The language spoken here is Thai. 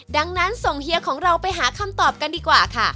ดังนั้นส่งเฮียของเราไปหาคำตอบกันดีกว่าค่ะ